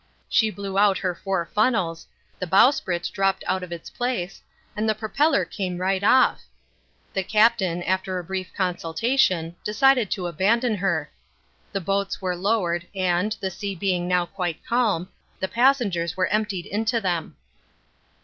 She blew out her four funnels, the bowsprit dropped out of its place, and the propeller came right off. The Captain, after a brief consultation, decided to abandon her. The boats were lowered, and, the sea being now quite calm, the passengers were emptied into them.